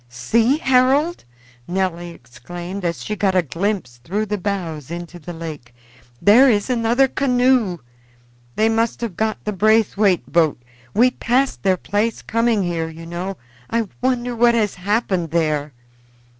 "See, Harold!" Nelly exclaimed as she got a glimpse through the boughs into the lake, "there is another canoe. They must have got the Braithwaite boat. We passed their place coming here, you know. I wonder what has happened there."